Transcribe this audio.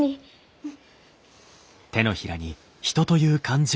うん。